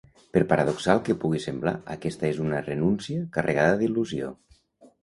Per paradoxal que pugui semblar, aquesta és una renúncia carregada d’il·lusió.